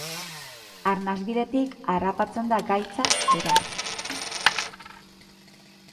Arnas-bidetik harrapatzen da gaitza, beraz.